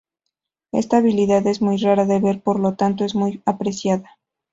Esta habilidad es muy rara de ver, por lo tanto es muy apreciada.